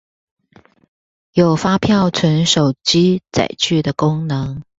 有發票存手機載具的功能